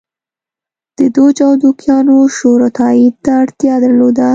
د دوج او دوکیانو شورا تایید ته اړتیا درلوده.